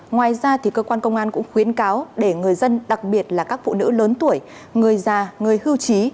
ngoài ra cơ quan công an cũng khuyến cáo để người dân đặc biệt là các phụ nữ lớn tuổi người già người hưu trí